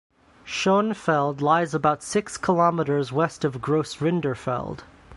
Schönfeld lies about six kilometers west of Großrinderfeld.